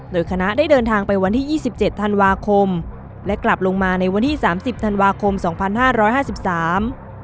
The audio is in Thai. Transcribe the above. โดยคณะได้เดินทางไปวันที่ยี่สิบเจ็ดธันวาคมและกลับลงมาในวันที่สามสิบธันวาคมสองพันห้าร้อยห้าสิบสาม